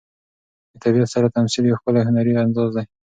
د طبیعت سره تمثیل یو ښکلی هنري انداز دی.